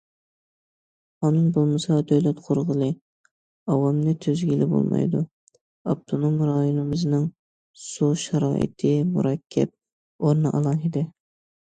قانۇن بولمىسا دۆلەت قۇرغىلى، ئاۋامنى تۈزىگىلى بولمايدۇ، ئاپتونوم رايونىمىزنىڭ سۇ شارائىتى مۇرەككەپ، ئورنى ئالاھىدە.